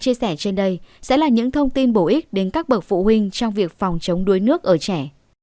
chia sẻ trên đây sẽ là những thông tin bổ ích đến các bậc phụ huynh trong việc phòng chống đuối nước ở trẻ